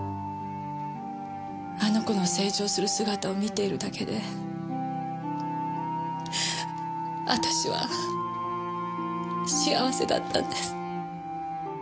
あの子の成長する姿を見ているだけで私は幸せだったんです。